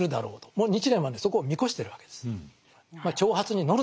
もう日蓮はねそこを見越してるわけです。